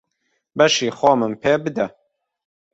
بەشی خۆمم پێ بدە.